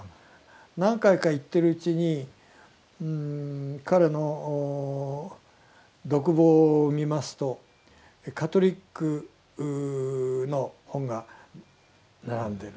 何回か行ってるうちに彼の独房を見ますとカトリックの本が並んでる。